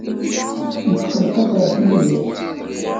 Netqelleq akk ɣef Yidir.